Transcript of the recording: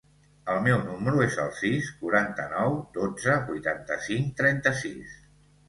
El meu número es el sis, quaranta-nou, dotze, vuitanta-cinc, trenta-sis.